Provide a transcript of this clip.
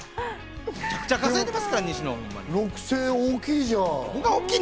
６０００円は大きいじゃん。